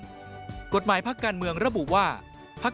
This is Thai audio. การที่จะทำกิจกรรมต่างนั้นจะหาเงินมาจากที่ไหนได้บ้าง